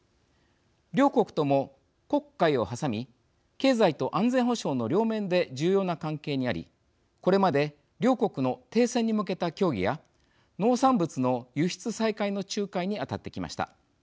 両国とも黒海を挟み経済と安全保障の両面で重要な関係にありこれまで両国の停戦に向けた協議や農産物の輸出再開の仲介に当たってきました。